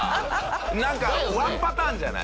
なんかワンパターンじゃない。